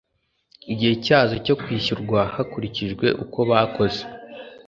igihe cyazo cyo kwishyurwa hakurikijwe uko bakoze